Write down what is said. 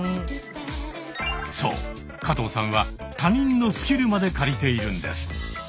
そう加藤さんは他人のスキルまで借りているんです。